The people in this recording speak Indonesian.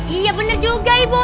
iya benar juga ibu